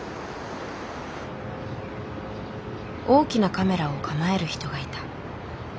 大きなカメラを構える人がいた。